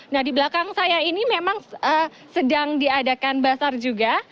nah di belakang saya ini memang sedang diadakan basar juga